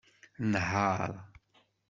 Nheṛ!